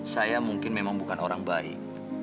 saya mungkin memang bukan orang baik